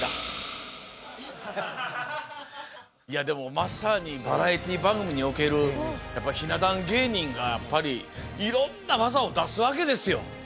まさにバラエティー番組におけるひな壇芸人がやっぱりいろんな技を出すわけですよ。